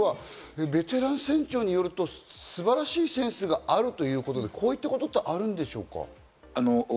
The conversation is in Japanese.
ベテラン船長によると素晴らしいセンスがあるということで、こういったことってあるんでしょうか？